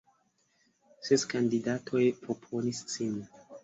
Ses kandidatoj proponis sin.